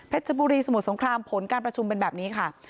ชบุรีสมุทรสงครามผลการประชุมเป็นแบบนี้ค่ะ